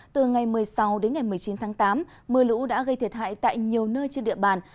từ ngày một mươi sáu đến ngày một mươi chín tháng tám mưa lũ đã gây thiệt hại tại nhiều nơi trên địa bàn